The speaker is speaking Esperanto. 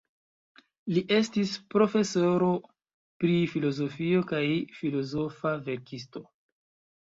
Li estis profesoro pri filozofio kaj filozofa verkisto.